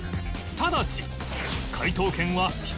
ただし